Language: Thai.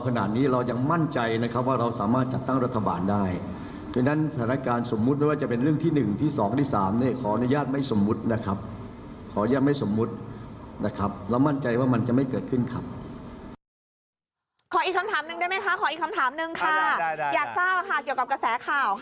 ขออีกคำถามนึงได้ไหมคะอยากเจ้าค่ะเกี่ยวกับกระแสข่าว